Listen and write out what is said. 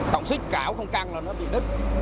cọng xích cảo không căng là nó bị đứt